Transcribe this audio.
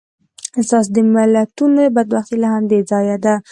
ستاسې د ملتونو بدبختي له همدې ځایه ده.